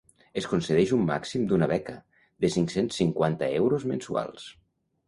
Es concedeix un màxim d'una beca, de cinc-cents cinquanta euros mensuals.